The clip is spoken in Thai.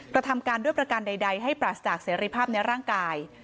กระทำการด้วยประการใดให้ปราศจากเสรีภาพในร่างกาย